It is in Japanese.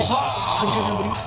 ３０年ぶり！？